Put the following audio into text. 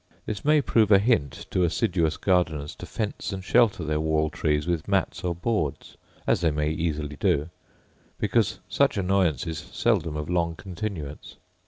This may prove a hint to assiduous gardeners to fence and shelter their wall trees with mats or boards, as they may easily do, because such annoyance is seldom of long continuance.